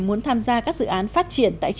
muốn tham gia các dự án phát triển tại các nơi